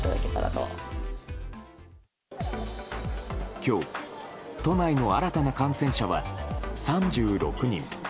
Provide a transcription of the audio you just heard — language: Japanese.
今日、都内の新たな感染者は３６人。